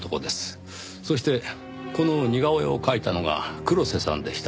そしてこの似顔絵を描いたのが黒瀬さんでした。